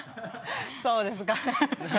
そうですかね。